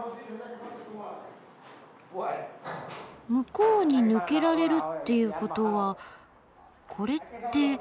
向こうに抜けられるっていうことはこれって城壁の一部？